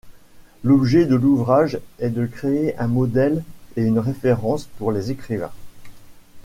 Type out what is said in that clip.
L'objet de l'ouvrage est de créer un modèle et une référence pour les écrivains.